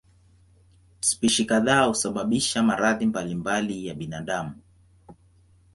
Spishi kadhaa husababisha maradhi mbalimbali ya binadamu.